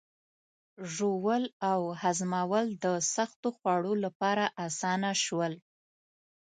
ژوول او هضمول د سختو خوړو لپاره آسانه شول.